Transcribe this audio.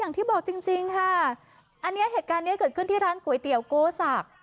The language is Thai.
อันนี้เหตุการณ์นี้เกิดขึ้นที่ร้านก๋วยเตี๋ยวกูดสัก